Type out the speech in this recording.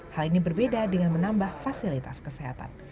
hal ini berbeda dengan menambah fasilitas kesehatan